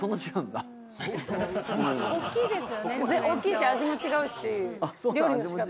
おっきいし味も違うし。